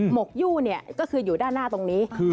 หมกยู่ก็คืออยู่ด้านหน้าตรงนี้